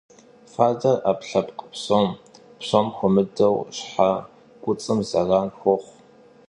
Фадэр Ӏэпкълъэпкъ псом, псом хуэмыдэу щхьэ куцӀым зэран хуэхъу.